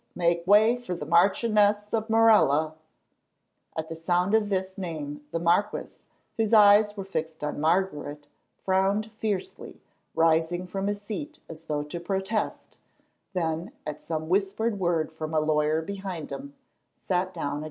Make way for the Marchioness of Morella!" At the sound of this name the marquis, whose eyes were fixed on Margaret, frowned fiercely, rising from his seat as though to protest, then, at some whispered word from a lawyer behind him, sat down again.